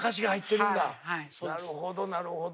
なるほどなるほど。